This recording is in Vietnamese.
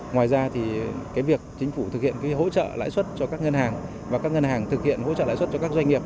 ngoài ra việc chính phủ thực hiện hỗ trợ lãi xuất cho các ngân hàng và các ngân hàng thực hiện hỗ trợ lãi xuất cho các doanh nghiệp